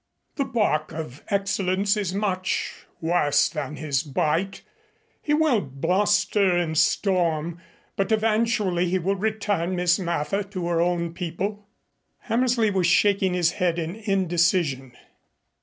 "The bark of Excellenz is much worse than his bite. He will bluster and storm. But eventually he will return Miss Mather to her own people." Hammersley was shaking his head in indecision.